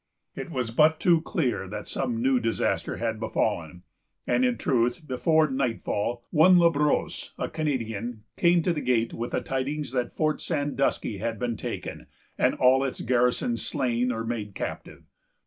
It was but too clear that some new disaster had befallen; and in truth, before nightfall, one La Brosse, a Canadian, came to the gate with the tidings that Fort Sandusky had been taken, and all its garrison slain or made captive.